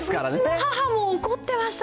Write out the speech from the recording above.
母も怒ってました、